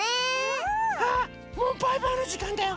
ああもうバイバイのじかんだよ。